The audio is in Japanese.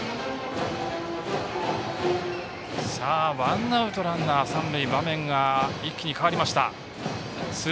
ワンアウトランナー、三塁と場面が一気に変わりました。